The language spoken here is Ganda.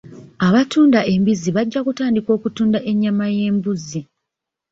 Abatunda embizzi bajja kutandika okutunda ennyama y'embuzi.